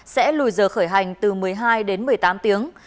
sẽ lùi giờ khởi hành từ một mươi hai đến một mươi tám tiếng